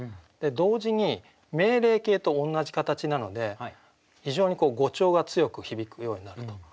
同時に命令形と同じ形なので非常に語調が強く響くようになると。